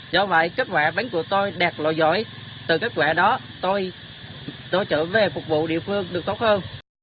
do vậy kết quả bánh của tôi đạt lộ giỏi từ kết quả đó tôi trở về phục vụ địa phương được tốt hơn